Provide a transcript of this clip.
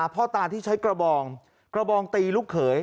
พ่อตาที่ใช้กระบองกระบองตีลูกเขย